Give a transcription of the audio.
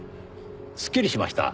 すっきりしました。